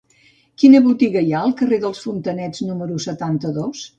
Quina botiga hi ha al carrer dels Fontanet número setanta-dos?